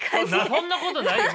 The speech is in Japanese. そんなことないよ